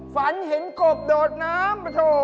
ฝันเห็นโกบโดดน้ำ